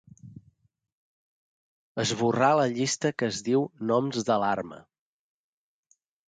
Esborrar la llista que es diu noms d'alarma.